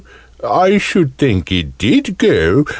I should think it did go!